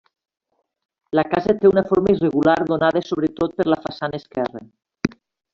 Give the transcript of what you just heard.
La casa té una forma irregular donada sobretot per la façana esquerra.